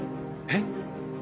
えっ？